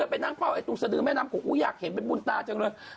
ไปนั่งเฝ้าไอตรงสดือแม่น้ำโขงอยากเห็นเป็นบุญตาจังเลย